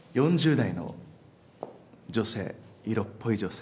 ４０代の女性、色っぽい女性。